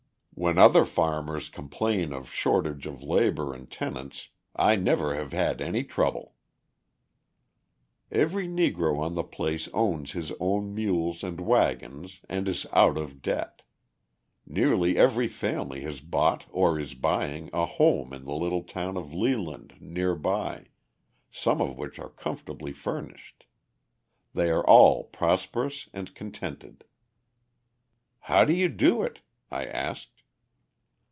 When other farmers complain of shortage of labour and tenants, I never have had any trouble." Every Negro on the place owns his own mules and waggons and is out of debt. Nearly every family has bought or is buying a home in the little town of Leland, nearby, some of which are comfortably furnished. They are all prosperous and contented. "How do you do it?" I asked.